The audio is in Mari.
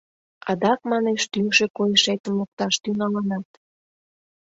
— Адак, манеш, тӱҥшӧ койышетым лукташ тӱҥалынат?